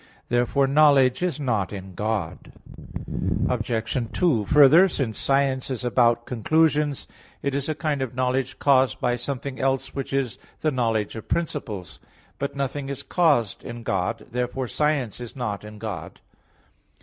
Therefore knowledge is not in God. Obj. 2: Further, since science is about conclusions, it is a kind of knowledge caused by something else which is the knowledge of principles. But nothing is caused in God; therefore science is not in God.